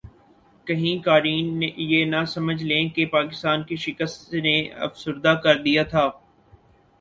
کہیں قارئین یہ نہ سمجھ لیں کہ پاکستان کی شکست نے افسردہ کردیا تھا